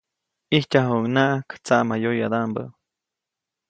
ʼIjtyajuʼuŋnaʼajk tsaʼmayoyadaʼmbä.